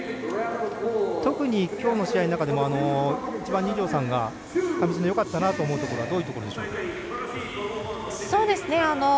特にきょうの試合の中でも一番、二條さんが上地のよかったなと思うところどういうところでしょうか？